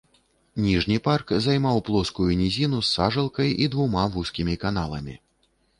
Ніжні парк займаў плоскую нізіну з сажалкай і двума вузкімі каналамі.